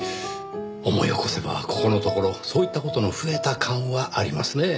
思い起こせばここのところそういった事の増えた感はありますねぇ。